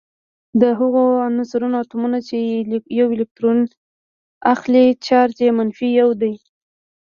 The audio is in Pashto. د هغو عنصرونو اتومونه چې یو الکترون اخلي چارج یې منفي یو دی.